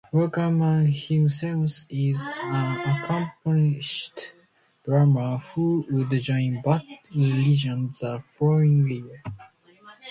Wackerman himself is an accomplished drummer who would join Bad Religion the following year.